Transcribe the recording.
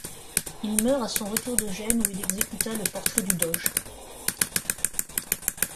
Il meurt à son retour de Gênes où il exécuta le portrait du Doge.